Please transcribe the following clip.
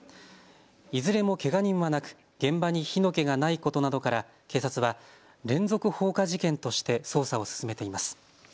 いずれもけが人はなく現場に火の気がないことなどから警察は連続放火事件として捜査を進めています。